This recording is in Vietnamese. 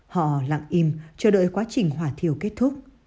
họ lặng im chờ đợi quá trình hỏa thiều kết thúc